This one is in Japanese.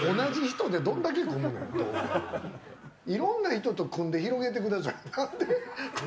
いろんな人と組んで広げてくださいよ。